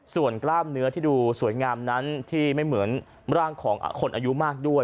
ส่วนกล้ามเนื้อที่ดูสวยงามนั้นที่ไม่เหมือนร่างของคนอายุมากด้วย